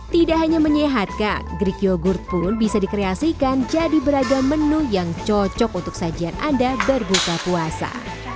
tidak hanya menyehatkan grick yogurt pun bisa dikreasikan jadi beragam menu yang cocok untuk sajian anda berbuka puasa